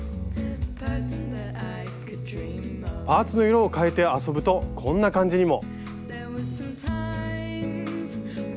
パーツの色をかえて遊ぶとこんな感じにも。